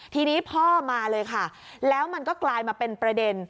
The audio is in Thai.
ทีนี้พ่อมาเลยค่ะแล้วมันก็กลายมาเป็นประเด็น